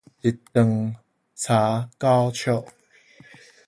一丈差九尺